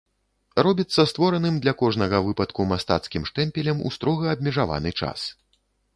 Робіцца створаным для кожнага выпадку мастацкім штэмпелем у строга абмежаваны час.